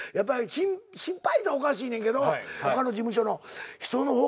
心配って言ったらおかしいねんけど他の事務所の人の方が逆に心配なんでな。